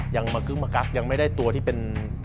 มากึ้มมากักยังไม่ได้ตัวที่เป็น